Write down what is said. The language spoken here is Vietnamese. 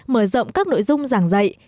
mở rộng các nội dung giảng dạy